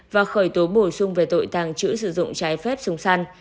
và khởi tố bổ sung về tội tàng trữ sử dụng trái phép súng săn